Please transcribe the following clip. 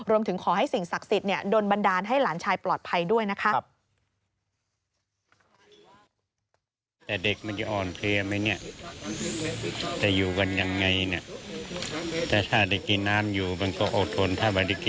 รวมถึงขอให้สิ่งศักดิ์สิทธิ์โดนบันดาลให้หลานชายปลอดภัยด้วยนะคะ